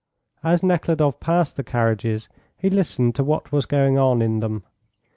As Nekhludoff passed the carriages he listened to what was going on in them.